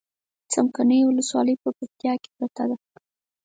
څمکنيو ولسوالي په پکتيا کې پرته ده